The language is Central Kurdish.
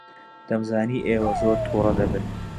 دەمزانی ئێوە زۆر تووڕە دەبن.